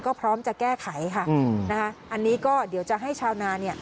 ก็พร้อมจะแก้ไขค่ะอันนี้ก็เดี๋ยวจะให้ชาวนา